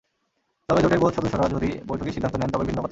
তবে জোটের বোর্ড সদস্যরা যদি বৈঠকে সিদ্ধান্ত নেন, তবে ভিন্ন কথা।